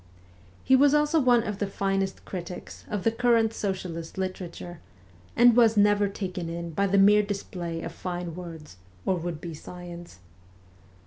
He was also one of the finest critics of the current socialist litera ture, and was never taken in by the mere display of fine words, or would be science.